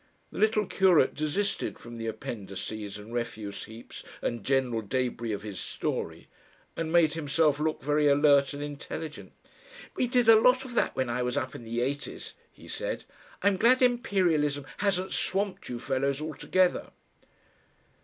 The little curate desisted from the appendices and refuse heaps and general debris of his story, and made himself look very alert and intelligent. "We did a lot of that when I was up in the eighties," he said. "I'm glad Imperialism hasn't swamped you fellows altogether."